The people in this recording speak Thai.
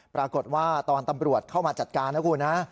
ปรากฏว่าตอนตำรวจเข้ามาจัดการนะคุณฮะ